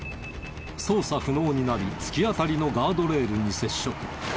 操作不能になり突き当たりのガードレールに接触。